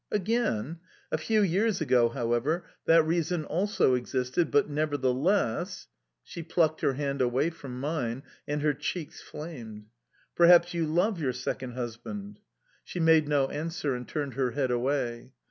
"Again? A few years ago, however, that reason also existed, but, nevertheless"... She plucked her hand away from mine and her cheeks flamed. "Perhaps you love your second husband?"... She made no answer and turned her head away.